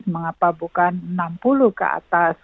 mengapa bukan enam puluh ke atas